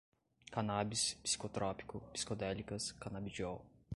cannabis, psicotrópico, psicodélicas, canabidiol